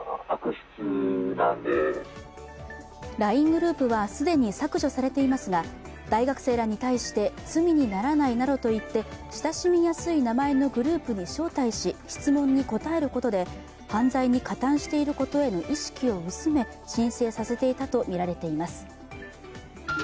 ＬＩＮＥグループは既に削除されていますが、大学生らに対して罪にならないなどと言って親しみやすい名前のグループに招待し、質問に答えることで犯罪に加担していることへの意識を薄め申請させていたとみられています。